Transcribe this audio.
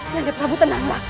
nanda prabu tenanglah